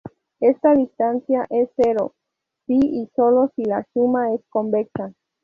Esta distancia es cero si y solo si la suma es convexa.